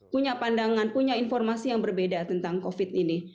punya pandangan punya informasi yang berbeda tentang covid ini